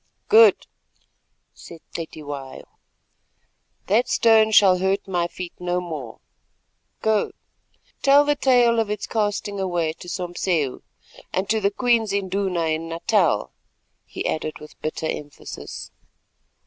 "Good," said Cetywayo, "that stone shall hurt my feet no more. Go, tell the tale of its casting away to Sompseu and to the Queen's Induna in Natal," he added with bitter emphasis.